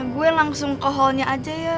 gue langsung ke hallnya aja ya